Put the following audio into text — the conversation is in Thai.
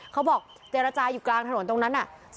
เขาบอกเจรจาอยู่กลางถนนตรงนั้นน่ะ